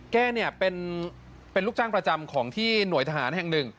แก้เนี่ยเป็นลูกจ้างประจำของที่หน่วยทหารแห่งหนึ่ง